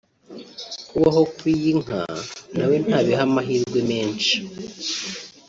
kubaho kw’iyi nka nawe ntabiha amahirwe menshi